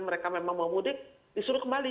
mereka memang mau mudik disuruh kembali